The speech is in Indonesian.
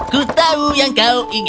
kutahu yang kau ingin